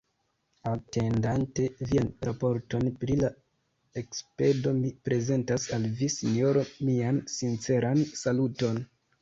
Atendante vian raporton pri la ekspedo, mi prezentas al vi, Sinjoro, mian sinceran saluton.